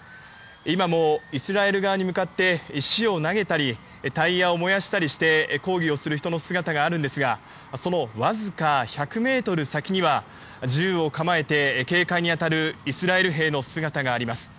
今もイスラエル側に向かって石を投げたりタイヤを燃やしたりして抗議をする人の姿があるんですがそのわずか１００ｍ先には銃を構えて警戒に当たるイスラエル兵の姿があります。